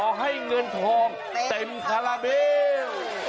ขอให้เงินทองเต็มพระระเบียง